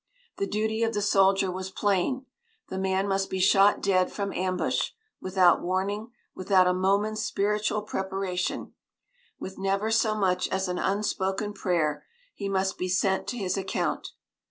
The duty of the soldier was plain: the man must be shot dead from ambush without warning, without a moment's spiritual preparation, with never so much as an unspoken prayer, he must be sent to his account.